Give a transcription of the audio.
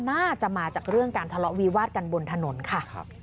น่าจะมาจากเรื่องการทะเลาะวิวาดกันบนถนนค่ะ